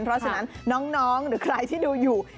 เพราะฉะนั้นน้องหรือใครที่ดูอยู่